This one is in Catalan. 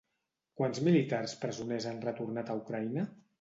Quants militars presoners han retornat a Ucraïna?